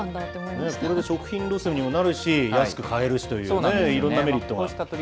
これで食品ロスにもなるし、安く買えるしというね、いろんなメリットがありますね。